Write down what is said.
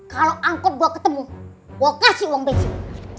kalau angkot gua ketemu gua kasih uang bensin